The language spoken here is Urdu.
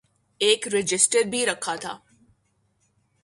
ایک رجسٹر بھی رکھا تھا۔